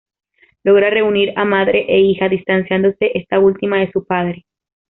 Logra reunir a madre e hija, distanciándose esta última de su padre.